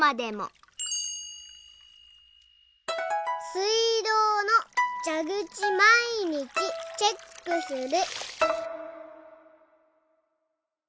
「すいどうのじゃぐちまいにちチェックする」。